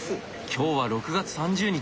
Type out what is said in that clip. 今日は６月３０日。